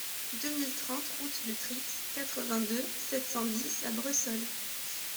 deux mille trente route de Trixe, quatre-vingt-deux, sept cent dix à Bressols